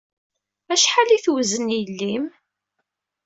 Acḥal ay tewzen yelli-m?